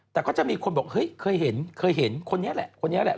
แต่ก็จะมีคนบอกเฮ้ยเคยเห็นเคยเห็นคนนี้แหละคนนี้แหละ